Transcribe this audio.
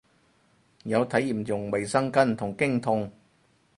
有體驗用衛生巾同經痛